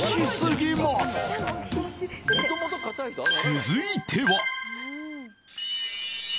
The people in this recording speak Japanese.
［続いては］